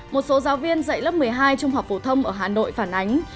một số giáo viên dạy lớp một mươi hai trung học phổ thông ở hà nội phản ánh